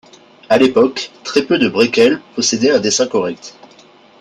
À l'époque, très peu de braekels possédaient un dessin correct.